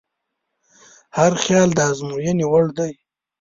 هر خیال د ازموینې وړ دی.